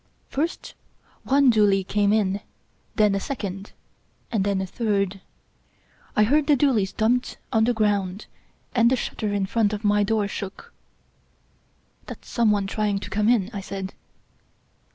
First one doolie came in, then a second, and then a third. I heard the doolies dumped on the ground, and the shutter in front of my door shook. " That's some one trying to come in," I said.